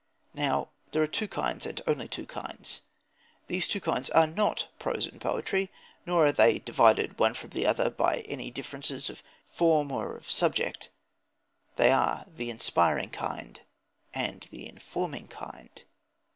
Now there are two kinds, and only two kinds. These two kinds are not prose and poetry, nor are they divided the one from the other by any differences of form or of subject. They are the inspiring kind and the informing kind.